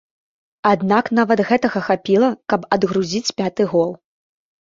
Аднак нават гэтага хапіла, каб адгрузіць пяты гол.